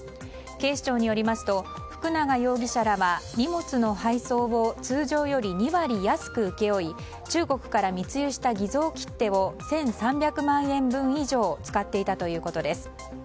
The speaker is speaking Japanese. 警視庁によりますと福永容疑者らは荷物の配送を通常より２割安く請け負い中国から密輸した偽造切手を１３００万円分以上使っていたということです。